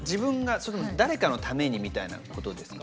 それとも誰かのためにみたいなことですか？